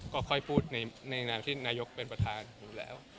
ก็ค่อยพูดในนามที่นายกเป็นประธานอยู่แล้ว